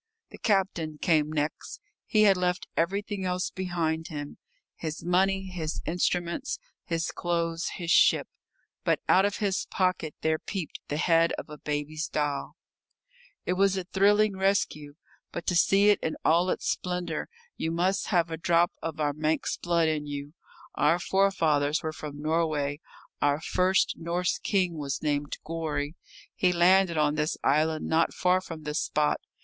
The captain came next. He had left everything else behind him his money, his instruments, his clothes, his ship but out of his pocket there peeped the head of a baby's doll. It was a thrilling rescue, but to see it in all its splendour you must have a drop of our Manx blood in you. Our forefathers were from Norway, our first Norse king was named Gorry. He landed on this island, not far from this spot.